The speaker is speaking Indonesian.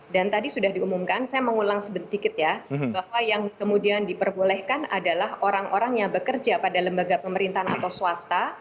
dan tadi sudah diumumkan saya mengulang sedikit ya bahwa yang kemudian diperbolehkan adalah orang orang yang bekerja pada lembaga pemerintahan atau swasta